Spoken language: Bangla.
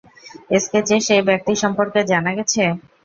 স্কেচের সেই ব্যাক্তি সম্পর্কে জানা গেছে।